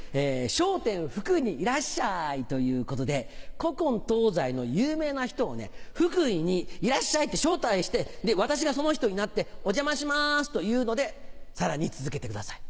「笑点福井にいらっしゃい！」ということで古今東西の有名な人を福井にいらっしゃいって招待して私がその人になって「お邪魔します」と言うのでさらに続けてください。